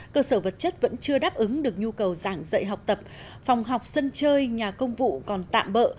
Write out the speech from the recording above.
cơ sở vật chất vẫn chưa đáp ứng được nhu cầu giảng dạy học tập phòng học sân chơi nhà công vụ còn tạm bỡ